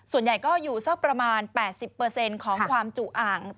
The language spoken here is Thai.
ส่วนใหญ่ก็อยู่สักประมาณ๘๐ของความจุอ่าง